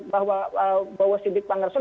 bahwa siddiq bang gerson